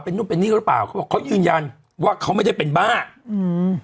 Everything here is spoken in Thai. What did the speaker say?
นู่นเป็นนี่หรือเปล่าเขาบอกเขายืนยันว่าเขาไม่ได้เป็นบ้าอืม